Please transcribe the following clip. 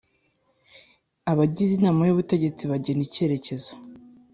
Abagize inama y ubutegetsi bagena icyerekezo